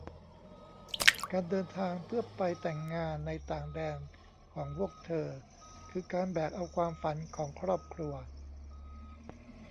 การเดินทางเพื่อไปแต่งงานในต่างแดนของพวกเธอ คือการแบกเอาความฝันของครอบครัว